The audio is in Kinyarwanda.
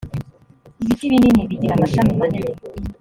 ibiti binini bigira amashami manini.